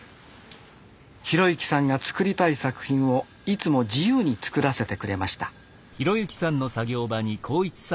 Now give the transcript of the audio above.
浩之さんが作りたい作品をいつも自由に作らせてくれました。